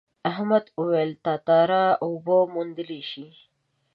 احمد وویل تتارا اوبه موندلی شي.